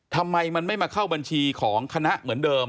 ทำไมมันไม่มาเข้าบัญชีของคณะเหมือนเดิม